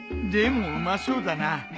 でもうまそうだな。